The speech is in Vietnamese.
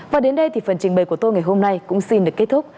và đến đây thì phần trình bày của tôi ngày hôm nay cũng xin được kết thúc